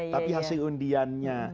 tapi hasil undiannya